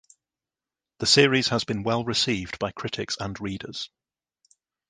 The series has been well received by critics and readers.